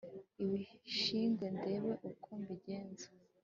ibishingwe ndeba uko mbigenza